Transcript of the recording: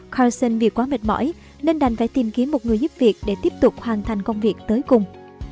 concion vì quá mệt mỏi nên đành phải tìm kiếm một người giúp việc để tiếp tục hoàn thành công việc tới cùng